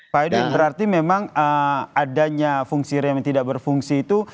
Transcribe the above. pak edin berarti memang adanya fungsi rem yang tidak berfungsi itu